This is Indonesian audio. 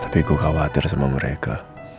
tapi gue khawatir sama mereka